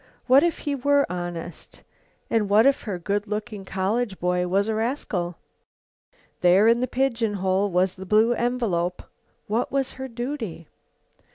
What if he were honest? And what if her good looking college boy was a rascal? There in the pigeon hole was the blue envelope. What was her duty?